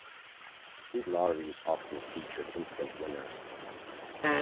These lotteries often featured instant winners.